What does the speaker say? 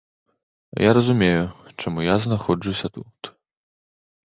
Я разумею, чаму я знаходжуся тут.